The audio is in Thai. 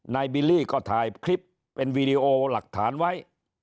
บิลลี่ก็ถ่ายคลิปเป็นวีดีโอหลักฐานไว้